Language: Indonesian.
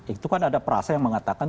itu kan ada perasa yang mengatakan